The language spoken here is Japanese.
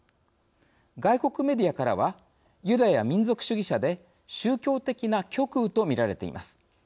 外国メディアからはユダヤ民族主義者で宗教的な極右とみられています。